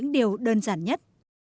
điều đơn giản nhất